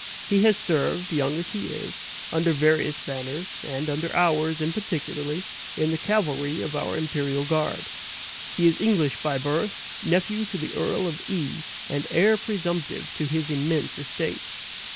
He has served, young as he is, under VARIOUS banners, and under ours, in particular, in the cavalry of our imperial guard. He is English by birth, nephew to the Earl of E., and heir presumptive to his immense estates.